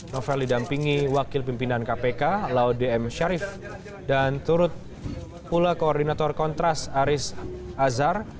novel didampingi wakil pimpinan kpk laudem sharif dan turut pula koordinator kontras aris azhar